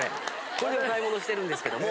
これで買い物してるんですけども。